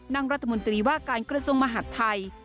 นั่งรัฐมนตรีว่าการกระทรวงมหาดไทย